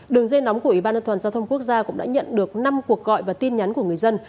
đường dây nóng của ủy ban an toàn giao thông quốc gia cũng đã nhận được năm cuộc gọi và tin nhắn của người dân